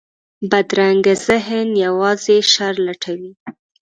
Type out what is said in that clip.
بدرنګه ذهن یوازې شر لټوي